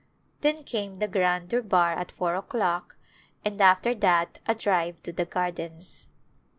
Then came the grand durbar at four o'clock and after that a drive to the gardens.